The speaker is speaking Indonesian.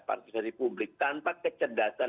partisipasi publik tanpa kecerdasan